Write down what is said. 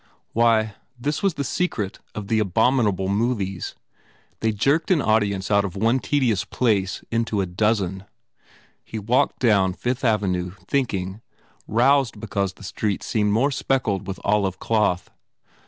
Why, this was the secret of the abominable movies! They jerked an audi ence out of one tedious place into a dozen. He walked toward Fifth Avenue, thinking, roused be cause the streets seemed more speckled with olive cloth.